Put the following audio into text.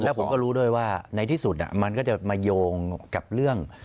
แล้วผมก็รู้ด้วยว่าในที่สุดมันก็จะมาโยงกับเรื่อง